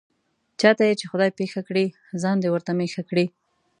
چاته یې چې خدای پېښه کړي، ځان دې ورته مېښه کړي.